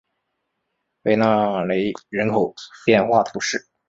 维勒雷人口变化图示